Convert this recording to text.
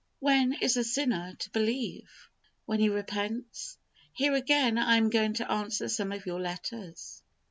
When is a sinner to believe? When he repents? Here again I am going to answer some of your letters.